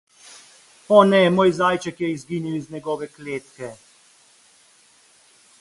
Oh ne, moj zajček je izginil iz njegove kletke!